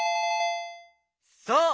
そう！